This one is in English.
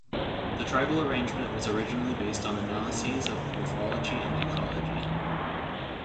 The tribal arrangement was originally based on analyses of morphology and ecology.